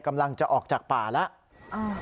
กำลังจะออกจากป่าแล้ว